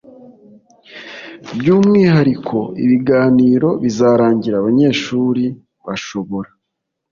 by umwihariko ibiganiro bizarangira abanyeshuri bashobora